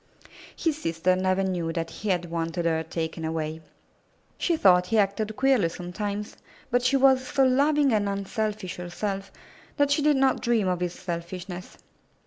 His sister never knew that he had wanted her taken away. She thought he acted queerly sometimes, but she was so loving and unselfish herself that she did not dream of his selfishness.